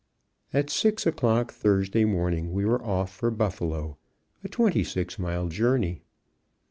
At six o'clock Thursday morning we were off for Buffalo, a twenty six mile journey.